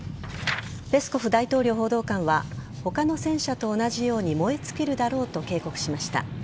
ペスコフ大統領報道官は他の戦車と同じように燃え尽きるだろうと警告しました。